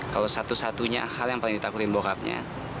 kalau satu satunya hal yang paling ditakutin bokapnya